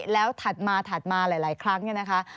แล้วถัดมาถัดมาหลายครั้งเนี่ยนะคะ